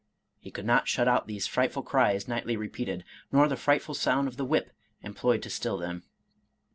He could not shut out these frightful cries nightly repeated, nor the frightful sound of the whip employed to still them.